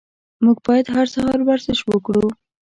موږ باید هر سهار ورزش وکړو.